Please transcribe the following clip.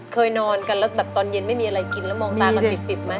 เคยนอนกันแล้วแบบตอนเย็นไม่มีอะไรกินแล้วมองตากันปิบไหม